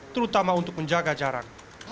terutama untuk menjaga jarak